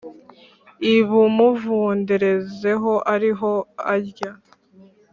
ibumuvunderezeho ariho arya